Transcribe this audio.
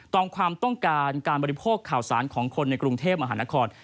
ความต้องการการบริโภคข่าวสารของคนในกรุงเทพมหานคร